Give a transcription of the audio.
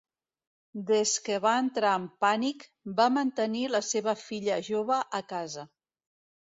Des que va entrar en pànic, va mantenir la seva filla jove a casa.